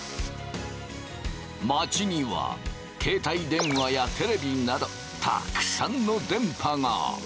街には携帯電話やテレビなどたくさんの電波が！